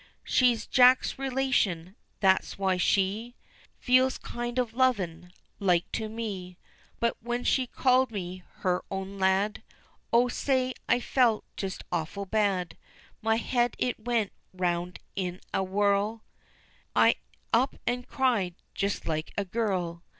She's Jack's relation, that's why she Feels kind of lovin' like to me, But when she called me her own lad, Oh, say, I felt just awful bad; My head it went round in a whirl, I up and cried just like a girl.